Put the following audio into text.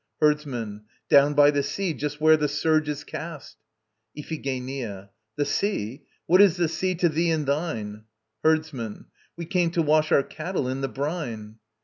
HERDSMAN. Down by the sea, just where the surge is cast ... IPHIGENIA. The sea? What is the sea to thee and thine? HERDSMAN. We came to wash our cattle in the brine.